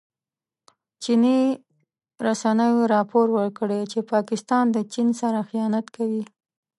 چیني رسنیو راپور ورکړی چې پاکستان د چین سره خيانت کوي.